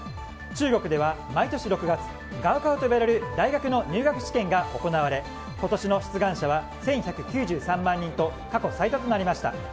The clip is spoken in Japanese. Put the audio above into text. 中国では毎年６月ガオカオと呼ばれる大学の入学試験が行われ今年の出願者は１１９３万人と過去最多となりました。